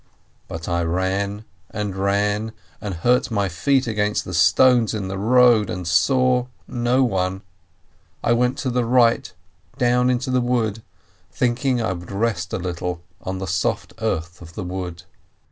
But I ran and ran, and hurt my feet against the stones in the road, and saw no one. I went to the right, down into the wood, thinking I would rest a little on the soft earth of the wood.